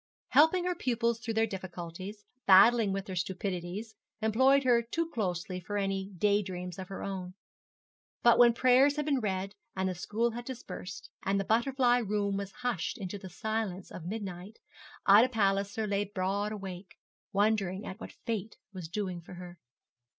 Helping her pupils through their difficulties, battling with their stupidities, employed her too closely for any day dreams of her own. But when prayers had been read, and the school had dispersed, and the butterfly room was hushed into the silence of midnight, Ida Palliser lay broad awake, wondering at what Fate was doing for her.